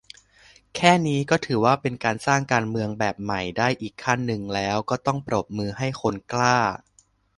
แค่นี้ก็ถือว่า เป็นการสร้างการเมืองแบบใหม่ได้อีกขั้นนึงแล้ว ก็ต้องปรบมือให้คนกล้า